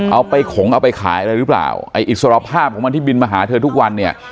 เอาไปขงเอาไปขายอะไรหรือเปล่าไอ้อิสรภาพของมันที่บินมาหาเธอทุกวันเนี่ย